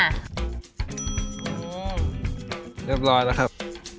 เรียบร้อยแล้วครับ